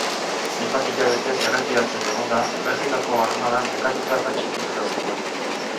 Hainbat hilabetez erretiratzen egonda, Belgikako armada nekatuta eta txikituta zegoen.